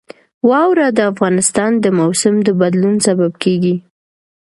واوره د افغانستان د موسم د بدلون سبب کېږي.